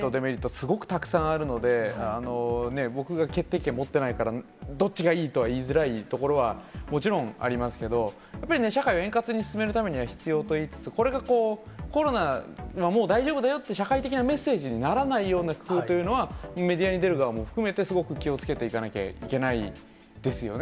すごくたくさんあるので、僕が決定権持ってないから、どっちがいいとは言いづらいところはもちろんありますけど、やっぱり社会を円滑に進めるためには必要といいつつ、これがコロナはもう大丈夫だよって、社会的なメッセージにならないような工夫というのは、メディアに出る側も含めて、すごく気をつけていかなきゃいけないですよね。